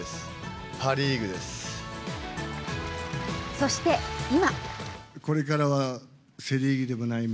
そして、今。